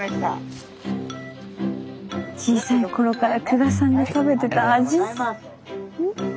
小さい頃から久我さんが食べてた味。